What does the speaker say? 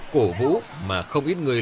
cổ vũ mà không ít người